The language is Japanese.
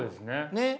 ねっ。